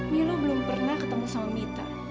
milo belum pernah ketemu sama mita